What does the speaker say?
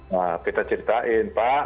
nah kita ceritain pak